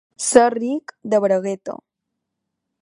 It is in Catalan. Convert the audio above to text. Ser ric de bragueta.